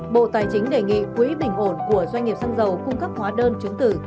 bộ tài chính đề nghị quỹ bình ổn của doanh nghiệp xăng dầu cung cấp hóa đơn chứng tử